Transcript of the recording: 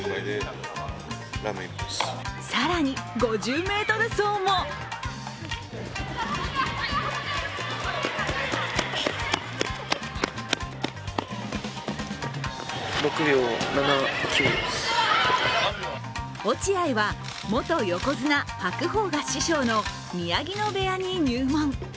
更に、５０ｍ走も落合は元横綱・白鵬が師匠の宮城野部屋に入門。